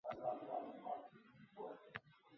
Nurli manzara.